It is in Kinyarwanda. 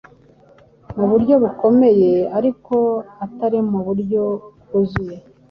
mu buryo bukomeye ariko atari mu buryo bwuzuye.